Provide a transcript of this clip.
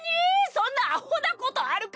そんなアホなことあるか！